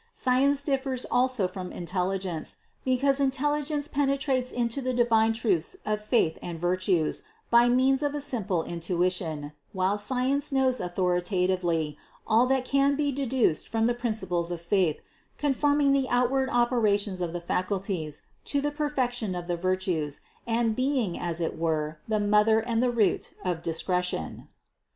Science differs also from intelligence, because intelligence penetrates into the divine truths of faith and virtues by means of a simple in tuition, while science knows authoritatively all that can be deduced from the principles of faith, conforming the outward operations of the faculties to the perfection of the virtues and being as it were the mother and the root of discretion.